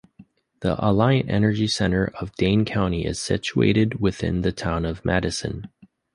The Alliant Energy Center of Dane County is situated within the Town of Madison.